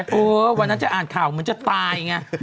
เออวันนั้นจะอ่านข่าวเหมือนจะตายไง